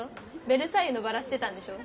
ベルサイユのばらしてたんでしょ？